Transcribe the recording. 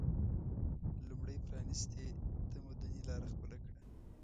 لومړی پرانیستي تمدني لاره خپله کړه